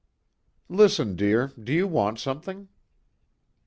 "Listen dear, do you want something?"